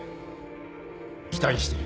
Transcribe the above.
期待している。